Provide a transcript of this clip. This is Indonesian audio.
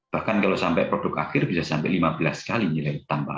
bahkan kalau sampai produk akhir bisa sampai lima belas kali nilai tambah